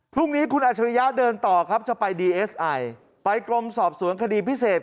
พรุ่งนี้คุณอัชริยะเดินต่อครับจะไปดีเอสไอไปกรมสอบสวนคดีพิเศษ